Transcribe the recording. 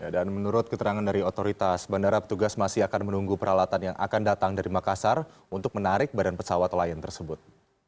menurut keterangan dari otoritas bandara petugas masih akan menunggu peralatan yang akan datang dari makassar untuk menarik badan pesawat lion tersebut